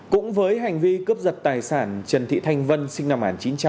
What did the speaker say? cũng với hành vi cướp giật tài sản trần thị thanh vân sinh năm một nghìn chín trăm tám mươi